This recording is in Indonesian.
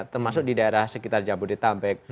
termasuk di daerah sekitar jabodetabek